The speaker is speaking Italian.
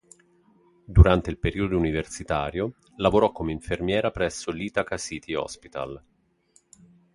Durante il periodo universitario lavorò come infermiera presso l'Ithaca City Hospital.